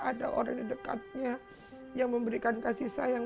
ada orang di dekatnya yang memberikan kasih sayang